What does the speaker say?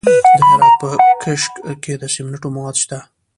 د هرات په کشک کې د سمنټو مواد شته.